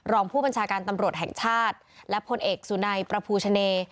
รองผู้บัญชาการตำรวจแห่งชาติและพลเอกสุนัยประภูชะเน